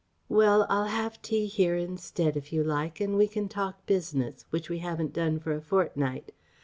"Well: I'll have tea here instead, if you like, and we can talk business, which we haven't done for a fortnight.